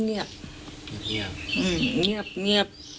เงียบ